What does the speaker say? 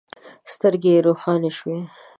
سترګې يې روښانه شوې.